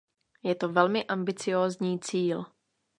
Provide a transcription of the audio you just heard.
Je to velmi ambiciózní cíl.